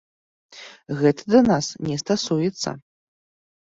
Гэта да нас не стасуецца.